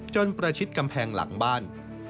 ประชิดกำแพงหลังบ้าน